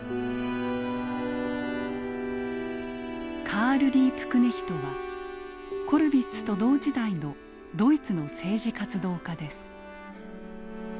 カール・リープクネヒトはコルヴィッツと同時代のドイツの政治活動家です。